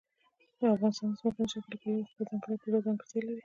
افغانستان د ځمکني شکل له پلوه خپله ځانګړې او پوره ځانګړتیا لري.